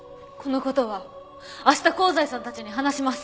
この事は明日香西さんたちに話します。